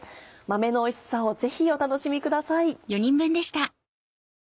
豆のおいしさをぜひお楽しみください。